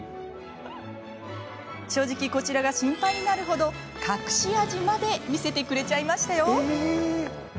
正直、こちらが心配になるほど隠し味まで見せてくれちゃいました。